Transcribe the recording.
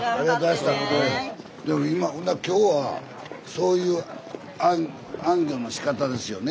今日はそういう行脚のしかたですよね。